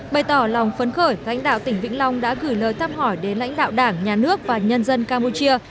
bày tỏ lòng phấn khởi lãnh đạo tỉnh vĩnh long đã gửi lời thăm hỏi đến lãnh đạo đảng nhà nước và nhân dân campuchia